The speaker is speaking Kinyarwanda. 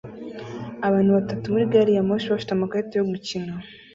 Abantu batatu muri gari ya moshi bafite amakarita yo gukina